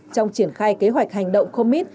trong triển khai kế hoạch hành động comet